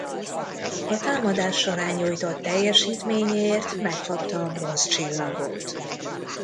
A támadás során nyújtott teljesítményéért megkapta a Bronz Csillagot.